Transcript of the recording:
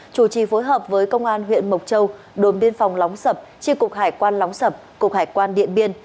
chủ trì phối hợp với công an huyện mộc châu đồn biên phòng lóng sập tri cục hải quan lóng sập cục hải quan điện biên